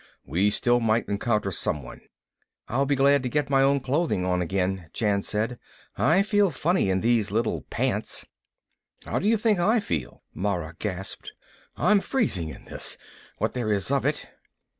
We still might encounter someone." "I'll be glad to get my own clothing on again," Jan said. "I feel funny in these little pants." "How do you think I feel?" Mara gasped. "I'm freezing in this, what there is of it."